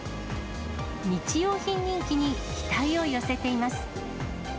日用品人気に期待を寄せています。